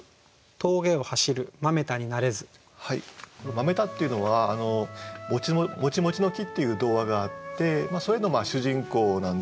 「豆太」っていうのは「モチモチの木」っていう童話があってそれの主人公なんですね。